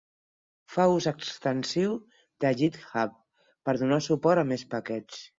Fa ús extensiu de GitHub per donar suport a més paquets.